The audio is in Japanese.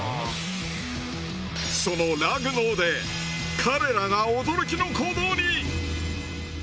そのラグノオで彼らが驚きの行動に！